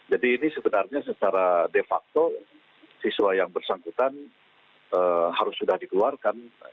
jadi ini sebenarnya secara de facto siswa yang bersangkutan harus sudah dikeluarkan